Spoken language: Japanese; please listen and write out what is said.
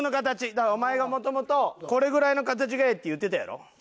だからお前が元々これぐらいの形がええって言ってたやろ？